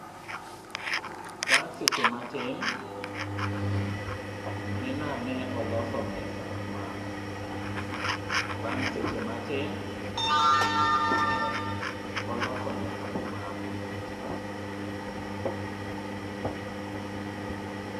Bang' seche matin, Nina ne oloso mesa ma